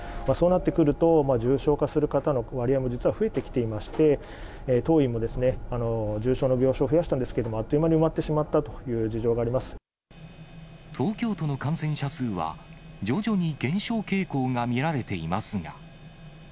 そうなってくると、重症化する方の割合も実は増えてきていまして、当院も重症の病床を増やしたんですけど、あっという間に埋まってしまったという事東京都の感染者数は、徐々に減少傾向が見られていますが。